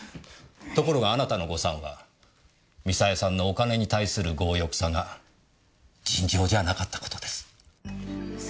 ところがあなたの誤算はミサエさんのお金に対する強欲さが尋常じゃなかったことです。